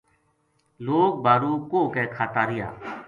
لوک بھارو کُوہ کو کھاتا رہیا